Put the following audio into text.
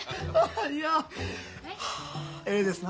いやはええですな。